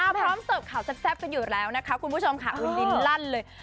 พร้อมเสิร์ฟข่าวแซ่บกันอยู่แล้วนะคะคุณผู้ชมค่ะลิ้นลั่นเลย